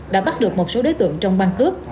đã bắt được một số đối tượng trong băng cướp